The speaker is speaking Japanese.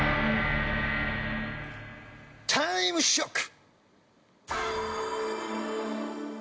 タイムショック！